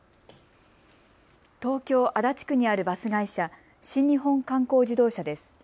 東京足立区にあるバス会社、新日本観光自動車です。